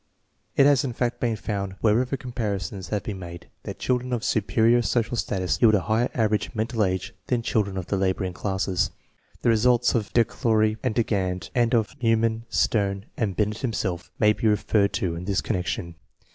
It has in fact been found wherever comparisons have been made that children of superior social status yield a higher average mental age than children of the laboring classes. The results of Decroly and Degand and of Meu mann, Stern, and Binet himself may be referred to in this connection.